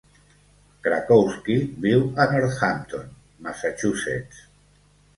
Krakowski viu a Northampton, Massachusetts.